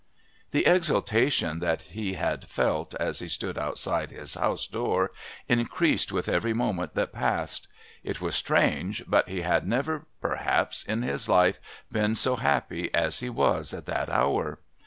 The exultation that he had felt as he stood outside his house door increased with every moment that passed. It was strange, but he had never, perhaps, in all his life been so happy as he was at that hour.